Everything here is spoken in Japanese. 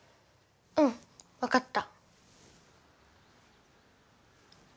うんわかった。